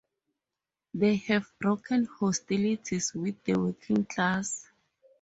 They have broken hostilities with the working class.